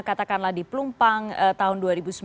katakanlah di plumpang tahun dua ribu sembilan